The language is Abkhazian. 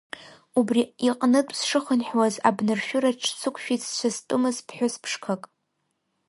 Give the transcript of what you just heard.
Убри иҟнытә сшыхынҳәуаз, абнаршәыраҿ дсықәшәеит зцәа зтәымыз ԥҳәыс ԥшқак…